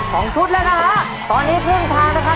ของชุดแล้วนะคะตอนนี้ที่เรียงทางนะคะ